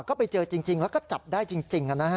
ก็ไปเจอจริงแล้วก็จับได้จริง